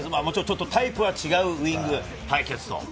タイプは違うウイング対決。